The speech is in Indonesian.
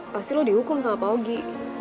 pasti lo dihukum sama pak ogi